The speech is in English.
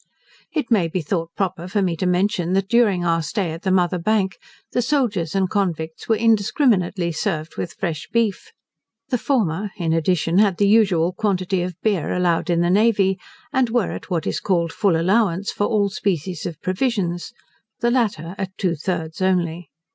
It may be thought proper for me to mention, that during our stay at the Mother Bank, the soldiers and convicts were indiscriminately served with fresh beef. The former, in addition, had the usual quantity of beer allowed in the navy, and were at what is called full allowance of all species of provisions; the latter, at two thirds only.